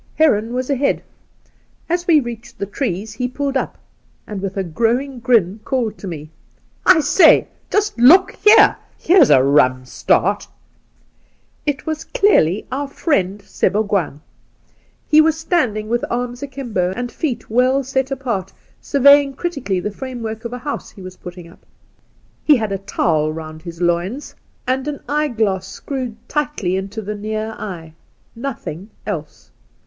' Heron was ahead. As we reached the trees, he pulled up, and with a growing grin called to me, " I say, just look here ! Here's a rum start !" 'It was clearly our friend Sebougwaan, He was standing .with arms akimbo, and feet well set apart, surveying critically the framework of a house he was putting up. ' He had a towel round his loins, and an eye m 2—2 20 The Outspan glass screwed tightly into the near eye. Nothing else.